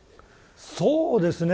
そうですね。